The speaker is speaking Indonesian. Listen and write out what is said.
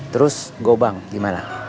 terus gobang gimana